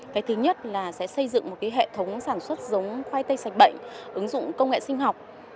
cái thứ nhất là sẽ xây dựng một hệ thống sản xuất giống khoai tây sạch bệnh ứng dụng công nghệ sinh học